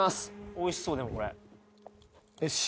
おいしそうでもこれ芯？